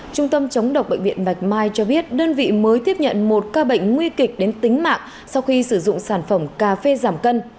trung tâm chống độc bệnh viện bạch mai cho biết đơn vị mới tiếp nhận một ca bệnh nguy kịch đến tính mạng sau khi sử dụng sản phẩm cà phê giảm cân